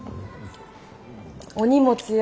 「お荷物や」